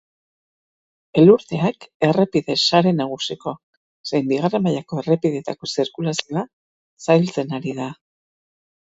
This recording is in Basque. Elurteak errepide sare nagusiko zein bigarren mailako errepideetako zirkulazioa zailtzen ari da.